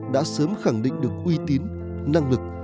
đã sớm khẳng định được uy tín năng lực